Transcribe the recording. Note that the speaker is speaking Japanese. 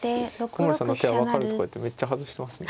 古森さんの手は分かるとか言ってめっちゃ外してますね。